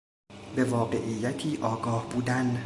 به واقعیتی آگاه بودن